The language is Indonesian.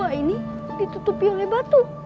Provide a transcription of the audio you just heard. wah ini ditutupi oleh batu